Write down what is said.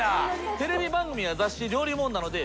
テレビ番組や雑誌料理本などで。